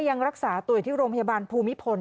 ยังรักษาตัวอยู่ที่โรงพยาบาลภูมิพล